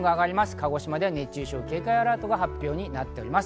鹿児島では熱中症警戒アラートが発表されています。